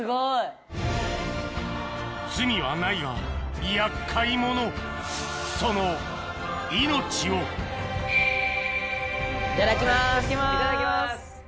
罪はないが厄介者その命をいただきます。